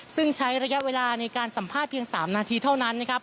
ซึ่งใช้ระยะเวลาในการสัมภาษณ์เพียง๓นาทีเท่านั้นนะครับ